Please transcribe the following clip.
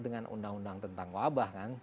dengan undang undang tentang wabah kan